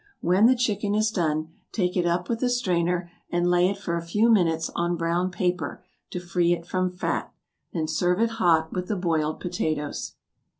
When the chicken is done take it up with a strainer, and lay it for a few minutes on brown paper to free it from fat; then serve it hot, with the boiled potatoes.